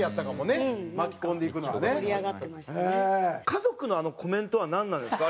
家族のコメントはなんなんですか？